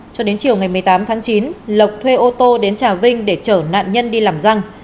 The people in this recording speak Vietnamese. cho đến chiều ngày một mươi tám tháng chín lộc thuê ô tô đến trà vinh để chở nạn nhân đi làm răng